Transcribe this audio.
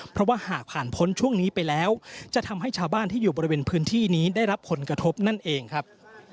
เพราะว่าหากผ่านพ้นช่วงนี้ไปแล้วจะทำให้ชาวบ้านที่อยู่บริเวณพื้นที่นี้ได้รับผลกระทบนั่นเองครับ